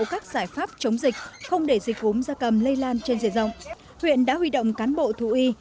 các giải pháp chống dịch không để dịch cúm gia cầm lây lan trên diện rộng huyện đã huy động cán bộ thú y